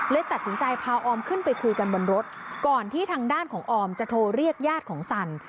ตัดสินใจพาออมขึ้นไปคุยกันบนรถก่อนที่ทางด้านของออมจะโทรเรียกญาติของสัน